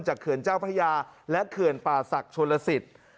เขื่อนเจ้าพระยาและเขื่อนป่าศักดิ์ชนลสิทธิ์